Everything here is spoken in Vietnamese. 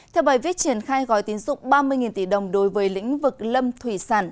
theo bài viết triển khai gói tín dụng ba mươi tỷ đồng đối với lĩnh vực lâm thủy sản